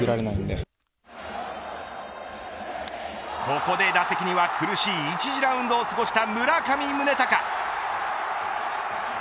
ここで打席には苦しい１次ラウンドを過ごした村上宗隆